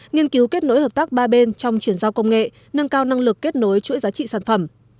nghiên cứu kết nối hợp tác ba bên trong chuyển giao công nghệ nâng cao năng lực kết nối chuỗi giá trị sản phẩm